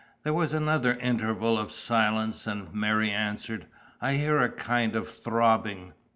There was another interval of silence, and Mary answered: "I hear a kind of throbbing."